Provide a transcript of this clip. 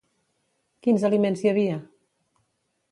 Quins aliments hi havia?